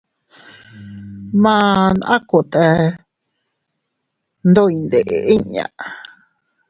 Maan a kote ndo iyndeʼe inña.